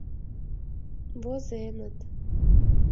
Возеныт.